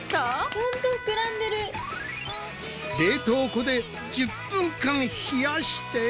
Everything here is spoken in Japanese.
冷凍庫で１０分間冷やして。